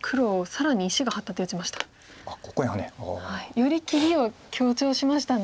より切りを強調しましたね。